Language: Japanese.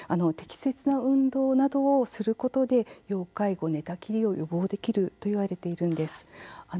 適切な運動などをすることで要介護、寝たきりを予防できるといわれているんです。